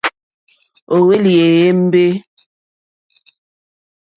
Ó hwélì èyémbé.